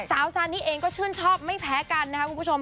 สาวซานิเองก็ชื่นชอบไม่แพ้กันนะคะคุณผู้ชม